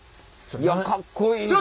いやかっこいいこれ。